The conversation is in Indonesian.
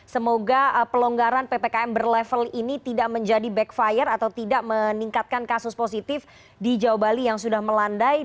semoga pelonggaran ppkm berlevel ini tidak menjadi backfire atau tidak meningkatkan kasus positif di jawa bali yang sudah melandai